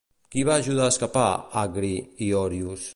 Qui va ajudar a escapar Àgri i Òrios?